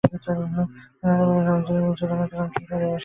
কিন্তু নানা কারণে রমজানের মূল চেতনা থেকে অনেকটাই সরে আসি আমরা।